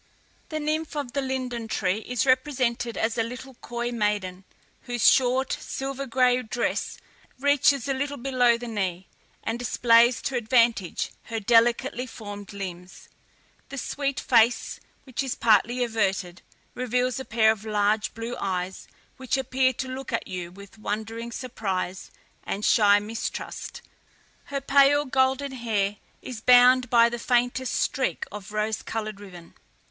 The nymph of the LINDEN TREE is represented as a little coy maiden, whose short silver gray dress reaches a little below the knee, and displays to advantage her delicately formed limbs. The sweet face, which is partly averted, reveals a pair of large blue eyes, which appear to look at you with wondering surprise and shy mistrust; her pale, golden hair is bound by the faintest streak of rose coloured ribbon.